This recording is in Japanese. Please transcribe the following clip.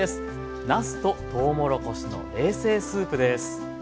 「なすととうもろこしの冷製スープ」です。